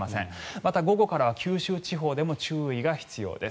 また、午後からは九州地方でも注意が必要です。